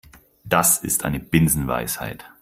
Das ist eine Binsenweisheit.